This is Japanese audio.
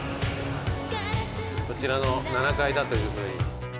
こちらの７階だという。